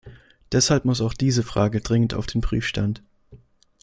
Deshalb muss auch diese Frage dringend auf den Prüfstand.